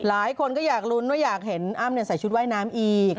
หลายคนก็อยากลุ้นว่าอยากเห็นอ้ำใส่ชุดว่ายน้ำอีก